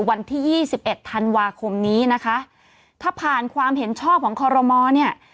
วันที่ยี่สิบเอ็ดธันวาคมนี้นะคะถ้าผ่านความเห็นชอบของคอรมอเนี่ย